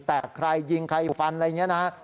แต่ใครยิงใครฟันอะไรอย่างนี้นะ